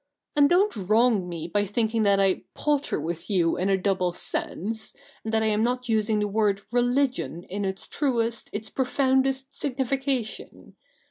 'And don't wrong me by thinking that I "palter with you in a double sense," and that I am not using the word religio)i in its truest, its profoundest signification.